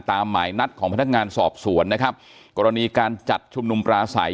หมายนัดของพนักงานสอบสวนนะครับกรณีการจัดชุมนุมปลาใส